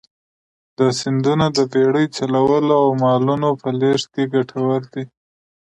دا سیندونه د بېړۍ چلولو او مالونو په لېږد کې کټوردي.